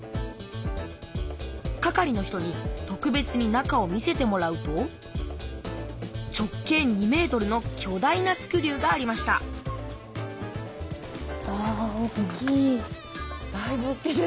係の人に特別に中を見せてもらうと直径２ｍのきょ大なスクリューがありましたうわ大きい。